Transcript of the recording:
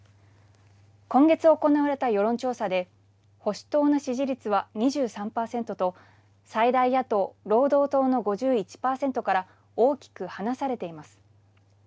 今月行われた世論調査で保守党の支持率は２３％と最大野党・労働党の５１％から大きく離されています。